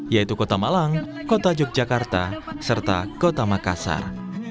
yaitu kota malang kota yogyakarta serta kota makassar